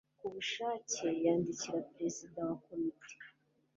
kubushake yandikira Perezida wa Komite